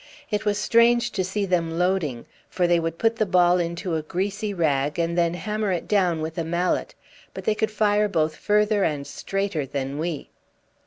It was strange to see them loading, for they would put the ball into a greasy rag and then hammer it down with a mallet, but they could fire both further and straighter than we.